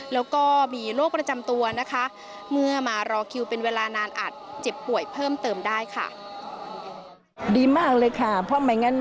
แล้วก็มีโรคประจำตัวนะคะเมื่อมารอคิวเป็นเวลานานอาจเจ็บป่วยเพิ่มเติมได้ค่ะ